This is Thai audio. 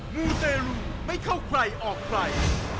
มูเตรลูไม่เข้าใครออกใคร